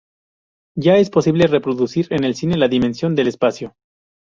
Ya es posible reproducir en el cine la dimensión del espacio.